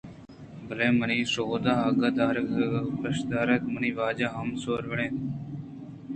بلے منی چُوداں درآہگ ءُ ادءِ آہگءَ پیش ہمود ءِ میر ءُ واجہ ہمے سَوَڑگ ءَ اِتنت